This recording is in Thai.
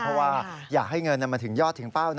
เพราะว่าอยากให้เงินมาถึงยอดถึงเป้านะ